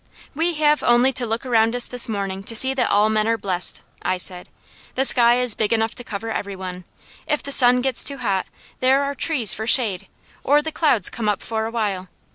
"We have only to look around us this morning to see that all men are blessed," I said. "The sky is big enough to cover every one. If the sun gets too hot, there are trees for shade or the clouds come up for a while.